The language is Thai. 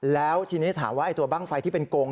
แล้วทีนี้ถามว่าตัวบ้างไฟที่เป็นกง